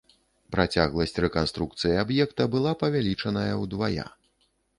Працягласць рэканструкцыі аб'екта была павялічаная ўдвая.